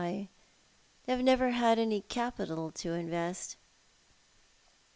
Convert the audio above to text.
I have never had any capital to invest."